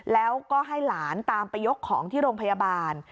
แล้วก็ให้หลานตามไปยกของที่โรงพยาบาล